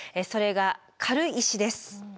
それが軽石です。